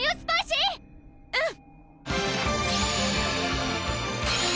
うん！